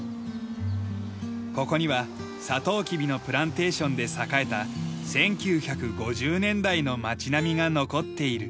ここにはサトウキビのプランテーションで栄えた１９５０年代の町並みが残っている。